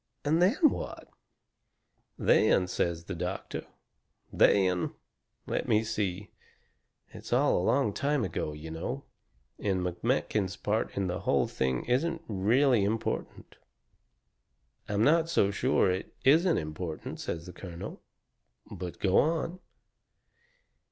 "And then what?" "Then," says the doctor, "then let me see it's all a long time ago, you know, and McMakin's part in the whole thing isn't really important." "I'm not so sure it isn't important," says the colonel, "but go on."